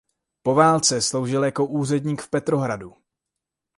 Po válce sloužil jako úředník v Petrohradu.